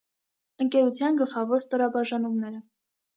Ընկերության գլխավոր ստորաբաժանումները։